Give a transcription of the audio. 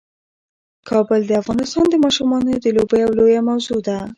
کابل د افغانستان د ماشومانو د لوبو یوه لویه موضوع ده.